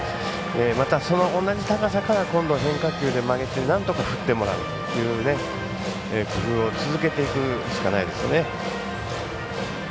また、その同じ高さから今度、変化球で曲げてなんとか振ってもらう工夫を続けていくしかないですね。